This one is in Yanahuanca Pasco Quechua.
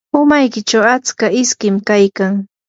umaykichu atska iskim kaykan.